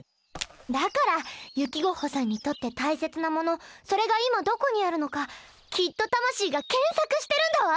だからユキゴッホさんにとって大切なものそれが今どこにあるのかきっと魂が検索してるんだわ！